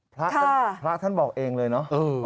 พระท่านบอกเองเลยนะ